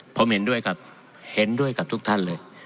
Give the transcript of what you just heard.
ผมเห็นด้วยครับเห็นด้วยกับทุกท่านเลย